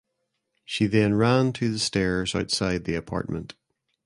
She then ran to the stairs outside the apartment.